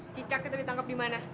cicak itu ditangkap di mana